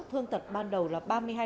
thương tật ban đầu là ba mươi hai